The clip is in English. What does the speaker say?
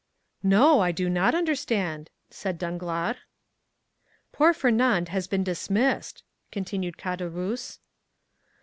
"No; I do not understand," said Danglars. "Poor Fernand has been dismissed," continued Caderousse.